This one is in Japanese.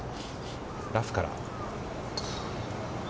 ラフから。